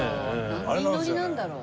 何人乗りなんだろう？